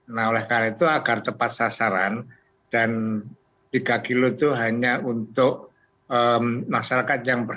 nah oleh karena itu agar tepat sasaran dan tiga kilo itu hanya untuk masyarakat yang berada